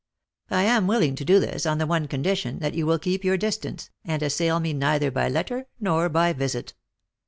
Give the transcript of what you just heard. I am willing to do this, on the one condition that you will keep your distance, and assail me neither by letter nor by visit."